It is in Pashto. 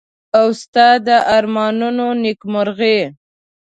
او ستا د ارمانونو نېکمرغي.